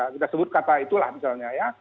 kita sebut kata itulah misalnya ya